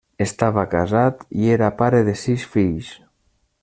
Estava casat i era pare de sis fills.